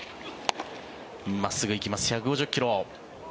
真っすぐ行きます１５０ｋｍ。